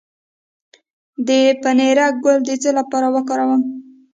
د پنیرک ګل د څه لپاره وکاروم؟